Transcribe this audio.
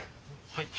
はい。